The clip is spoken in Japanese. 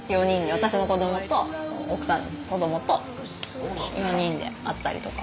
私の子どもと奥さん子どもと４人で会ったりとか。